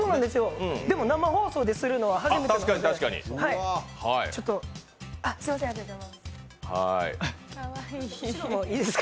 でも、生放送でするのは初めてです。